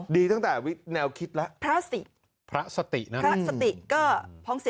ดีตั้งแต่แนวคิดแล้ว